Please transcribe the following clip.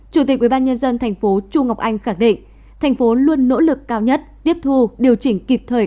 chủ tịch ubnd tp chu ngọc anh khẳng định thành phố luôn nỗ lực cao nhất tiếp thu điều chỉnh kịp thời